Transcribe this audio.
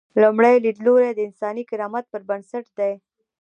لومړی لیدلوری د انساني کرامت پر بنسټ دی.